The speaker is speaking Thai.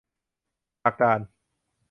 ดักดาน